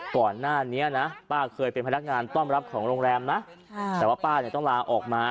ก่อนหน้านี้นะป้าเคยเป็นพนักงานต้อนรับของโรงแรมนะแต่ว่าป้าเนี่ยต้องลาออกมา